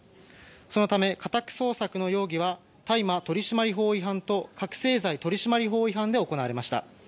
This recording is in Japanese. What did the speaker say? そのため、家宅捜索の容疑は大麻取締法違反と覚醒剤取締法違反で行われました。